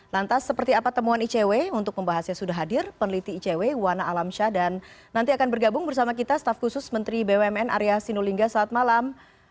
lantas seperti apa temuan icw untuk membahasnya sudah hadir peneliti icw wana alamsyah dan nanti akan bergabung bersama kita staf khusus menteri bumn arya sinulinga saat malam